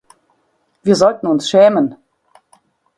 Wir sollten uns schämen.